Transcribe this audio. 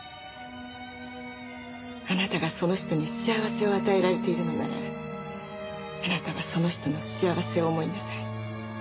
あなたがその人に幸せを与えられているのならあなたはその人の幸せを思いなさい。